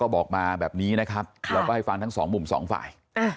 แบบนี้นะครับแล้วก็ให้ฟังทั้ง๒มุม๒ฝ่าย